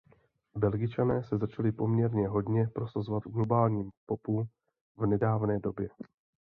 Belgičané se začali poměrně hodně prosazovat v globálním popu v nedávné době.